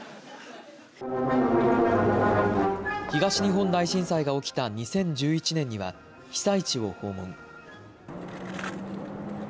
東日本大震災が起きた２０１１年には被災地を訪問。